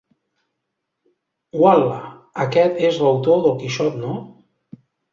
Ual·la, aquest és l'autor del Quixot, no?